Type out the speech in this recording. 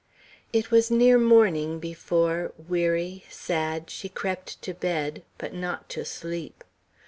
It was near morning before, weary, sad, she crept to bed; but not to sleep.